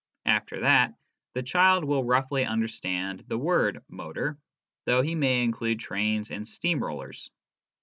After that, the child will roughly understand the word " motor," though he may include trains and steam rollers.